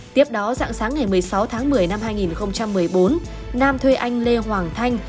tiếp đó dạng sáng ngày một mươi sáu tháng một mươi năm hai nghìn một mươi bốn nam thuê anh lê hoàng thanh